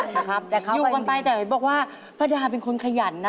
อยู่ก่อนไปแต่บอกว่าพระดาเป็นคนขยันนะ